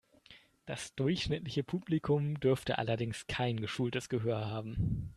Das durchschnittliche Publikum dürfte allerdings kein geschultes Gehör haben.